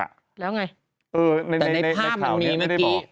แล้วไงแต่ในภาพมันมีไม่ได้บอก